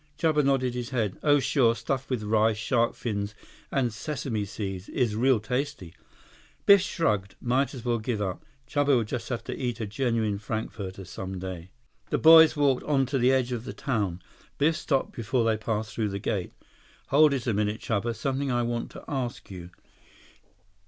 Chuba nodded his head. "Oh sure, stuffed with rice, shark fins, and sesame seeds, is real tasty." Biff shrugged. Might as well give up. Chuba would just have to eat a genuine frankfurter some day. The boys walked on to the edge of the town. Biff stopped before they passed through the gate. "Hold it a minute, Chuba. Something I want to ask you."